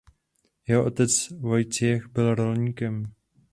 Jeho otec Wojciech byl rolníkem.